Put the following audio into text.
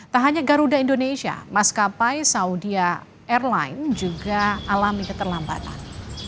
tak hanya garuda indonesia maskapai saudi airline juga alami keterlambatan